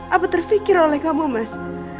apa terfikir oleh kamu mas